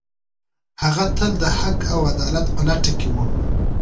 هغه تل د حق او عدالت په لټه کې و.